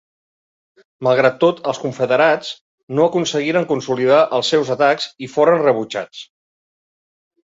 Malgrat tot, els confederats no aconseguiren consolidar els seus atacs i foren rebutjats.